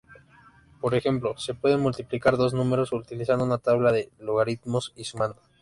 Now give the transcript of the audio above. Por ejemplo, se pueden multiplicar dos números utilizando una tabla de logaritmos y sumando.